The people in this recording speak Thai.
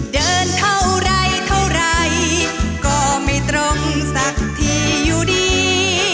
เดินเท่าไรเท่าไรก็ไม่ตรงสักทีอยู่ดี